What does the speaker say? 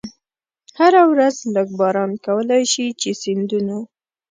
هره ورځ لږ باران کولای شي چې سیندونه.